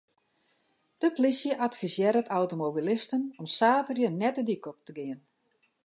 De plysje advisearret automobilisten om saterdei net de dyk op te gean.